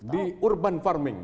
di urban farming